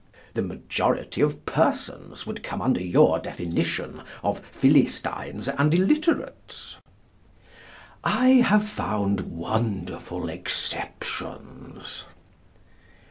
The majority of persons would come under your definition of Philistines and illiterates? I have found wonderful exceptions.